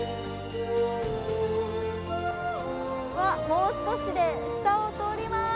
もう少しで下を通ります。